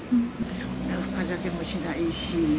そんな深酒もしないし。